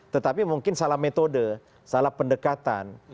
tetapi mungkin salah metode salah pendekatan